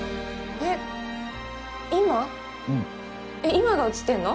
今が映ってるの？